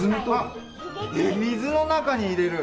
水の中に入れる？